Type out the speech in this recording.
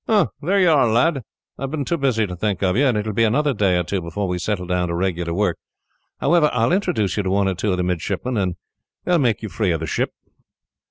"Ah, there you are, lad! I have been too busy to think of you, and it will be another day or two before we settle down to regular work. However, I will introduce you to one or two of the midshipmen, and they will make you free of the ship."